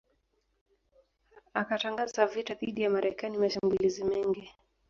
akatangaza vita dhidi ya Marekani mashambulizi mengi